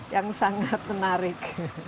yang sangat menarik